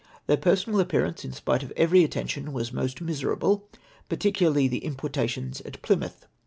Their personal appearance, in spite of every attention, was most miserable, particularly the importations at Plymouth.